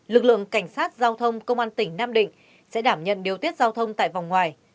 lực lượng cảnh sát giao thông công an tỉnh nam định sẽ đảm nhận điều tiết giao thông tại vòng ngoài